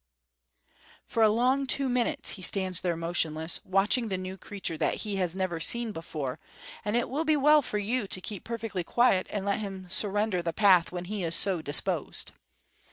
_ For a long two minutes he stands there motionless, watching the new creature that he has never seen before; and it will be well for you to keep perfectly quiet and let him surrender the path when he is so disposed.